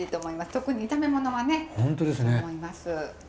特に炒め物はねそう思います。